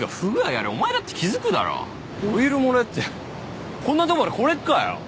ありゃお前だって気づくだろオイル漏れってこんなとこまで来れっかよ